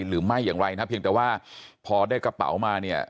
หรือไม่อย่างไรนะเพียงแต่ว่าพอได้กระเป๋ามาเนี่ย